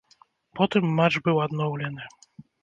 Потым матч быў адноўлены.